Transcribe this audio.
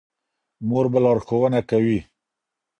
مور به لارښوونه کوي.